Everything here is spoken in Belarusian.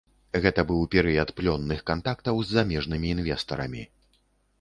Гэта быў перыяд плённых кантактаў з замежнымі інвестарамі.